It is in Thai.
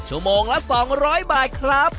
ชมละ๒๐๐บาทครับ